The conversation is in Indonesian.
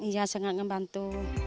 ya senang ngebantu